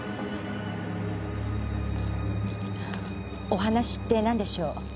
お話って何でしょう？